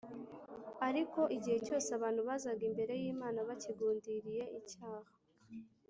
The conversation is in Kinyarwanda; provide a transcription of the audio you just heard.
Ariko igihe cyose abantu bazaga imbere y’Imana bakigundiriye icyaha